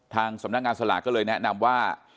ทางสำนักงานสลากก็เลยแนะนำว่า